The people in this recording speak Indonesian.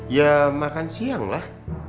ya makan siang lah